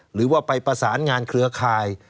หรือว่าไปประสานงานเครือข่าย